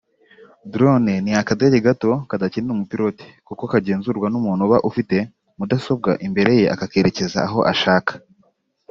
Drone ni akadege gato kadakenera umupilote kuko kagenzurwa n’umuntu uba afite mudasobwa imbere ye akakerekeza aho ashaka